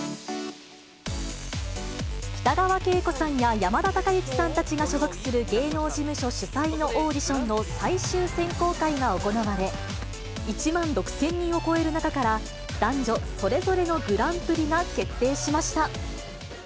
北川景子さんや山田孝之さんたちが所属する芸能事務所主催のオーディションの最終選考会が行われ、１万６０００人を超える中から、男女それぞれのグランプリが決定しました。